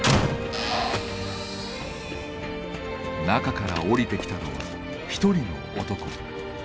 中から降りてきたのは一人の男。